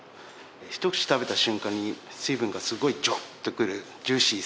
ひと口食べた瞬間に水分がすごいジュワッとくるジューシーさ